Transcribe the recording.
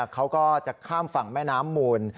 เขาก็จะข้ามฝั่งแม่น้ำมูล